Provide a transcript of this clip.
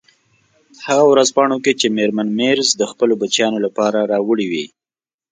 هغه ورځپاڼو کې چې میرمن مېرز د خپلو بچیانو لپاره راوړي وې.